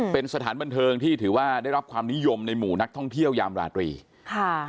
เป็นสถานบันเทิงที่ถือว่าได้รับความนิยมในหมู่นักท่องเที่ยวยามราตรีค่ะ